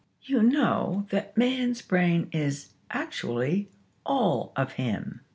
You know that Man's brain is actually all of him.